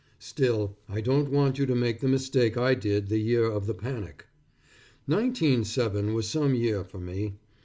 Still I don't want you to make the mistake I did the year of the panic. Nineteen seven was some year for me.